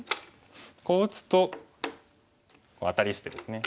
こう打つとアタリしてですね。